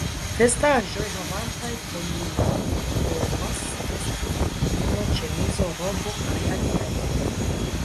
Vestaĵoj havantaj kolumon povas esti: mantelo, ĉemizo, robo kaj aliaj.